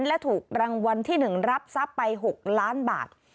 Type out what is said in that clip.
และถูกรางวัลที่๑รับทรัพย์ไป๖ล้านบาท